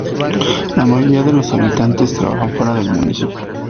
La mayoría de los habitantes trabajan fuera del municipio.